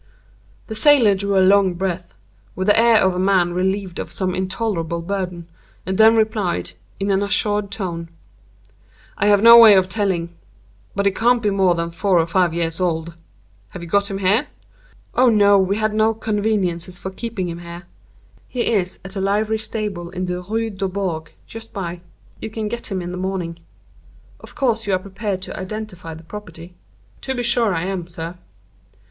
The sailor drew a long breath, with the air of a man relieved of some intolerable burden, and then replied, in an assured tone: "I have no way of telling—but he can't be more than four or five years old. Have you got him here?" "Oh no, we had no conveniences for keeping him here. He is at a livery stable in the Rue Dubourg, just by. You can get him in the morning. Of course you are prepared to identify the property?" "To be sure I am, sir."